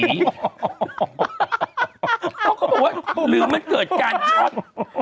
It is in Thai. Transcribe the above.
ถ้าเขาพูดลืมมันเกิดการจอด